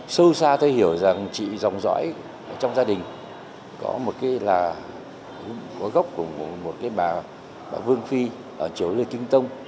sâu xa tôi hiểu rằng chị dòng dõi trong gia đình có gốc của một bà vương phi ở chỗ lê kinh tông